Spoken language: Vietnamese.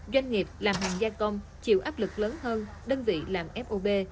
doanh nghiệp làm hàng gia công chịu áp lực lớn hơn đơn vị làm fob